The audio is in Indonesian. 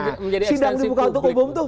nah sidang dibuka untuk publik itu